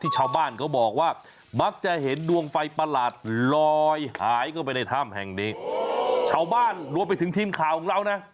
ชาวบ้านรวมไปถึงทีมข่าวของเรานะ